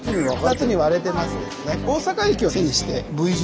２つに割れてますですね。